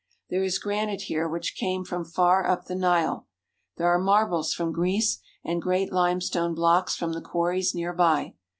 There is granite here which came from far up the Nile; there are marbles from Greece, and great limestone blocks from the quarries near by.